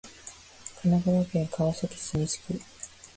神奈川県川崎市西区